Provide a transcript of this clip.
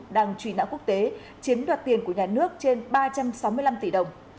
đang truy nã quốc tế chiếm đoạt tiền của nhà nước trên ba trăm sáu mươi năm tỷ đồng